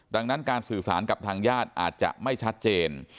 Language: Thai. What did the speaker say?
ดังนั้นการสื่อสารกับทางญาติอาจจะไม่ชัดเจน